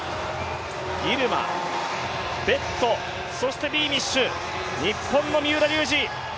ギルマ、ベット、そしてビーミッシュ、日本の三浦龍司。